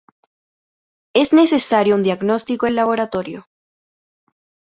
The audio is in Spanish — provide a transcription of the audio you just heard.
Es necesario un diagnóstico en laboratorio.